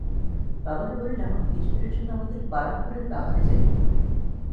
বাবাকে বলিলাম আমি কিছুদিনের জন্য আমাদের বারাকপুরের বাগানে যাইব।